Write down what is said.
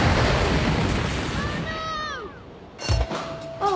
ああ